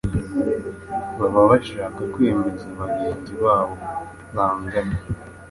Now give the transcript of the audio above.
baba bashaka kwemeza bangenzi babo bangana